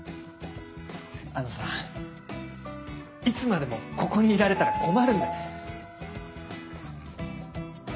あのさいつまでもここにいられたら困る。